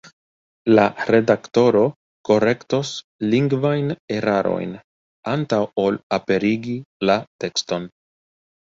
La redaktoro korektos lingvajn erarojn antaŭ ol aperigi la tekston.